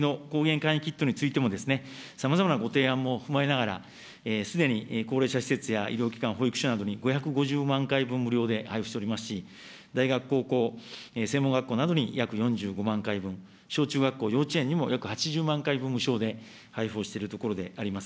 簡易キットについても、さまざまなご提案も踏まえながら、すでに高齢者施設や医療機関、保育所などに５５０万回分、無料で配布しておりますし、大学、高校、専門学校などに約４５万回分、小中学校、幼稚園にも約８０万回分、無償で配布をしているところであります。